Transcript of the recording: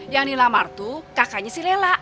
yang dilamar tuh kakaknya si lela